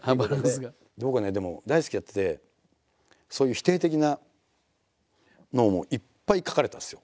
僕はねでも「ＤＡＩＳＵＫＩ！」やっててそういう否定的なのもいっぱい書かれたんですよ。